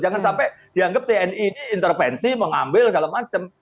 jangan sampai dianggap tni ini intervensi mengambil segala macam